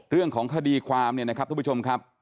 เรื่องของคดีความเนี่ยนะครับทุกผู้ชมครับ